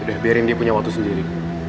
udah biarin dia punya waktu sendiri